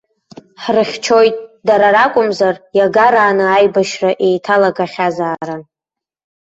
Ҳрыхьчоит, дара ракәымзар иагарааны аибашьра еиҭалагахьазаарын.